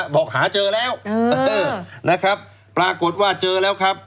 บอกหาเจอแล้วนะครับปรากฏว่าเจอแล้วครับ